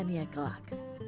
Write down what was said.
dan mengejar impiannya kelak